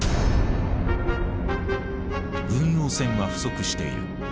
軍用船は不足している。